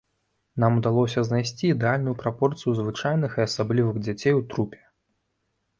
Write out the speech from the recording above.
Нам удалося знайсці ідэальную прапорцыю звычайных і асаблівых дзяцей у трупе.